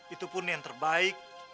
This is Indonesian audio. itu pun yang terbaik